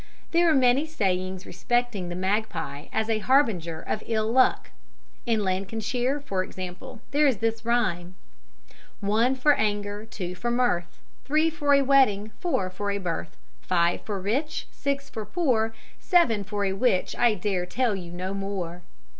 There are many sayings respecting the magpie as a harbinger of ill luck. In Lancashire, for example, there is this rhyme: "One for anger, two for mirth, Three for a wedding, four for a birth, Five for rich, six for poor, Seven for a witch, I dare tell you no more."